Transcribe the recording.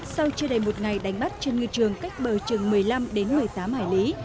sau chưa đầy một ngày đánh bắt trên ngư trường cách bờ chừng một mươi năm đến một mươi tám hải lý